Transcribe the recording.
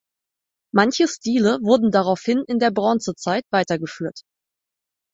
Manche Stile wurden daraufhin in der Bronzezeit weitergeführt.